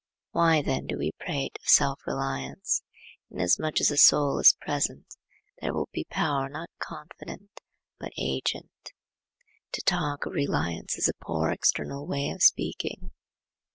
Why then do we prate of self reliance? Inasmuch as the soul is present there will be power not confident but agent. To talk of reliance is a poor external way of speaking.